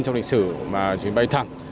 trong lịch sử mà chuyến bay thẳng